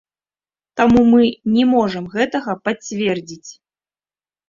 Таму мы не можам гэтага пацвердзіць.